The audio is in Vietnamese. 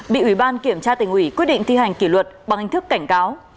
bị ủy ban kiểm tra tỉnh ủy quyết định thi hành kỷ luật bằng hình thức cảnh cáo